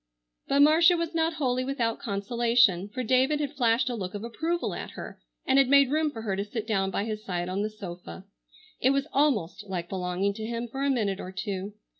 But Marcia was not wholly without consolation, for David had flashed a look of approval at her and had made room for her to sit down by his side on the sofa. It was almost like belonging to him for a minute or two.